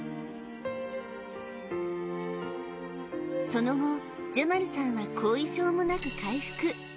その後ジェマルさんは後遺症もなく回復